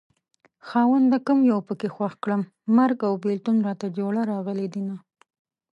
خاونده کوم يو پکې خوښ کړم مرګ او بېلتون راته جوړه راغلي دينه